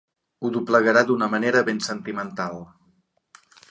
Ho doblegarà d'una manera ben sentimental.